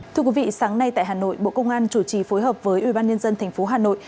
thưa quý vị sáng nay tại hà nội bộ công an chủ trì phối hợp với ubnd tp hà nội